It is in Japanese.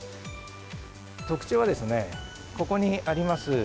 特徴は、ここにあります